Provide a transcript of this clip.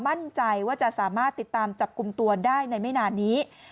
มั่นใจว่าจะสามารถติดตามจับกลุ่มตัวได้ในไม่นานนี้